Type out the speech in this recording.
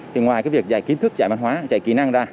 thì ngoài việc dạy kiến thức dạy mạng hóa dạy kỹ năng ra